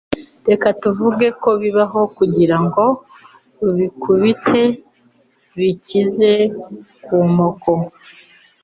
Reka tuvuge ko bibaho kugirango ubikubite bikize kumoko.